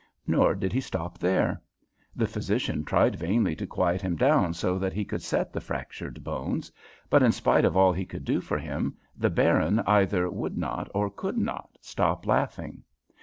Nor did he stop there. The physician tried vainly to quiet him down so that he could set the fractured bones, but in spite of all he could do for him the Baron either would not or could not stop laughing.